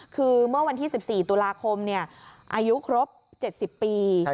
คือเมื่อวันที่๑๔ตุลาคมอายุครบ๗๐ปี